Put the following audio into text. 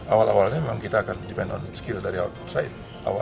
awal awalnya memang kita akan depend on skill dari outside